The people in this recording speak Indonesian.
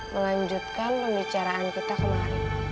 menganjutkan pembicaraan kita kemarin